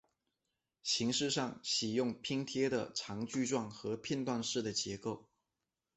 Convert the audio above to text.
形式上喜用拼贴的长矩状和片段式的结构。